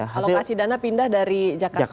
kalau kasih dana pindah dari jakarta ke kalimantan